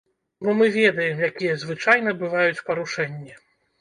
Бо мы ведаем, якія звычайна бываюць парушэнні.